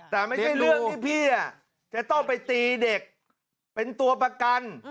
แต่ไม่ใช่เรื่องที่พี่จะต้องไปตีเด็กเป็นตัวประกัน